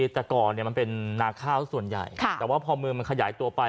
จากก่อนเนี่ยมันเป็นนาคาวส่วนใหญ่ค่ะแต่ว่าพอเมืองมันขยายตัวไป